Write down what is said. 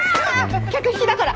客引きだから。